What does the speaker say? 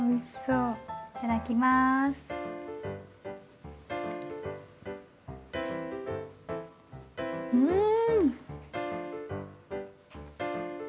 うん。